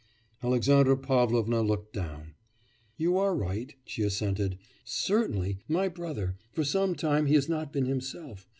Alexandra Pavlovna looked down. 'You are right,' she assented. 'Certainly my brother for some time he has not been himself....